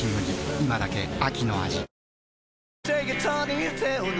今だけ秋の味